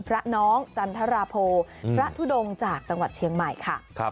พระน้องจันทราโพพระทุดงจากจังหวัดเชียงใหม่ค่ะ